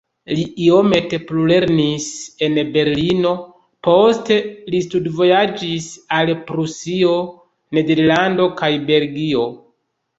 Li iomete plulernis en Berlino, poste li studvojaĝis al Prusio, Nederlando kaj Belgio.